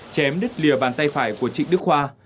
chém đứt lìa bàn tay phải của trịnh đức khoa